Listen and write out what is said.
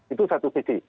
itu satu sisi